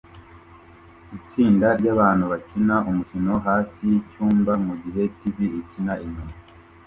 Itsinda ryabantu bakina umukino hasi yicyumba mugihe TV ikina inyuma